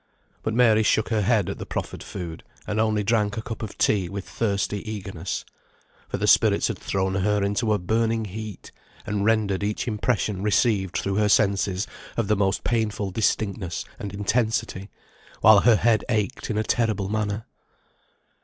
But Mary shook her head at the proffered food, and only drank a cup of tea with thirsty eagerness. For the spirits had thrown her into a burning heat, and rendered each impression received through her senses of the most painful distinctness and intensity, while her head ached in a terrible manner.